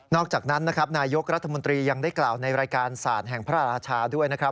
อกจากนั้นนะครับนายกรัฐมนตรียังได้กล่าวในรายการศาสตร์แห่งพระราชาด้วยนะครับ